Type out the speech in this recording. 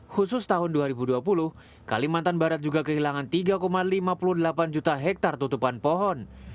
khusus tahun dua ribu dua puluh kalimantan barat juga kehilangan tiga lima puluh delapan juta hektare tutupan pohon